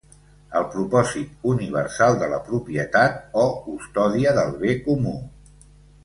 El propòsit universal de la propietat o custòdia del bé comú.